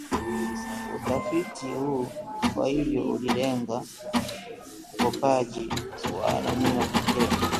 Utafiti huu kwa hivyo ulilenga ukopaji wa nomino pekee